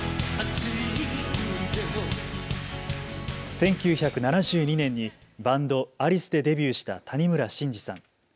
１９７２年にバンド、アリスでデビューした谷村新司さん。